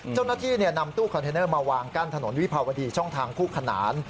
เจ้าหน้าที่นำตู้คอนเทนเนอร์มาวางกั้นถนนวิภาวดีช่องทางคู่ขนาน